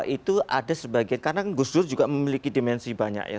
itu ada sebagian karena gus dur juga memiliki dimensi banyak ya